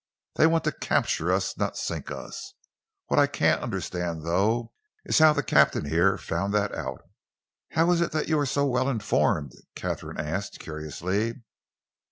"They want to capture us, not sink us! What I can't understand, though, is how the captain here found that out." "How is it that you are so well informed?" Katharine asked curiously.